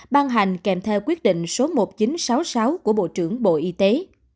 ban hành kèm theo quyết định số một nghìn chín trăm sáu mươi sáu của bộ trưởng bộ y tế